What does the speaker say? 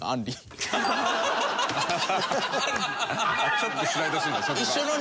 ちょっとスライドするの？